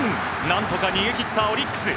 何とか逃げ切ったオリックス。